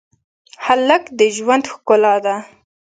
هلک د ژوند ښکلا ده.